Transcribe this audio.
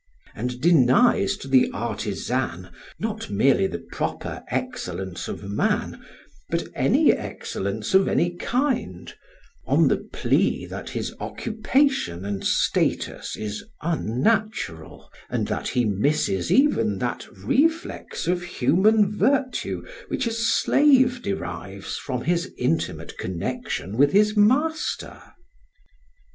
] and denies to the artisan not merely the proper excellence of man, but any excellence of any kind, on the plea that his occupation and status is unnatural, and that he misses even that reflex of human virtue which a slave derives from his intimate connection with his master.